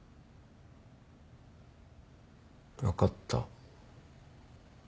分かった。